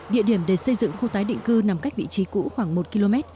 địa điểm để xây dựng khu tái định cư nằm cách vị trí cũ khoảng một km